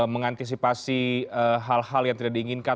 mengantisipasi hal hal yang tidak diinginkan